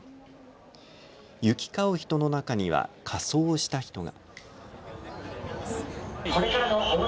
行き交う人の中には仮装した人が。